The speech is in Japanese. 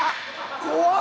怖っ！